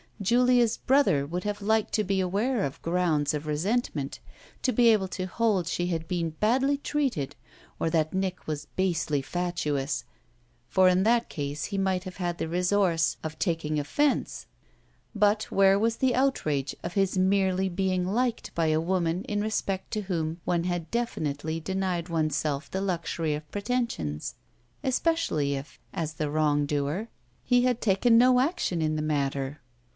Julia's brother would have liked to be aware of grounds of resentment, to be able to hold she had been badly treated or that Nick was basely fatuous, for in that case he might have had the resource of taking offence. But where was the outrage of his merely being liked by a woman in respect to whom one had definitely denied one's self the luxury of pretensions, especially if, as the wrong doer, he had taken no action in the matter?